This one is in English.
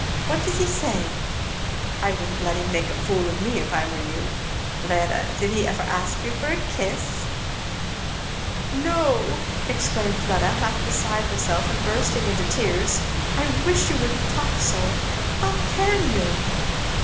What does he say? I wouldn't let him make a fool of me if I were you. Fleda! did he ever ask you for a kiss?" "No!" exclaimed Fleda half beside herself and bursting into tears; "I wish you wouldn't talk so! How can you?"